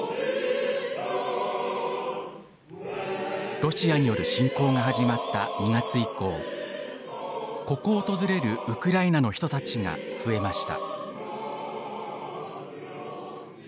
ロシアによる侵攻が始まった２月以降ここを訪れるウクライナの人たちが増えました。